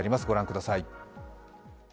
御覧ください。